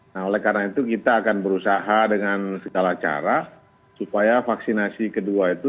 nah oleh karena itu kita akan berusaha dengan segala cara supaya vaksinasi kedua itu